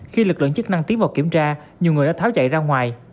khi lực lượng chức năng tiến vào kiểm tra nhiều người đã tháo chạy ra ngoài